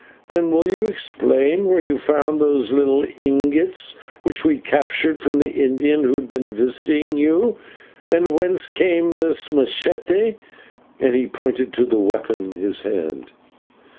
Then will you explain where you found those little ingots, which we captured from the Indian who had been visiting you, and whence came this /machete/?" and he pointed to the weapon in his hand.